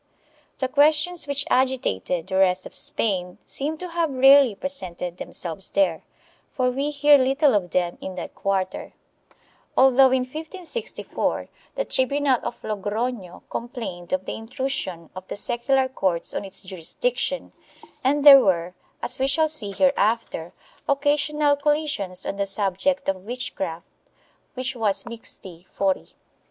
The questions which agitated the rest of Spain seem to have rarely presented themselves there, for we hear little of them in that quarter, although, in 1564, the tribunal of Logrono complained of the intrusion of the secular courts on its jurisdic tion and there were, as we shall see hereafter, occasional collisions on the subject of witchcraft, which was mixti fori.